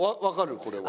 これは。